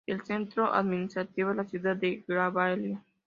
El centro administrativo es la ciudad de Gwalior.